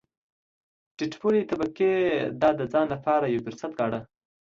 ټیټ پوړې طبقې دا د ځان لپاره یو فرصت ګاڼه.